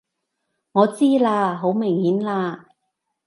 我知啦！好明顯啦！